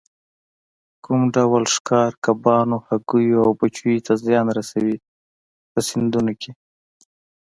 کوم ډول ښکار کبانو، هګیو او بچیو ته زیان رسوي په سیندونو کې.